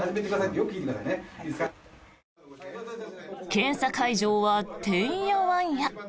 検査会場はてんやわんや。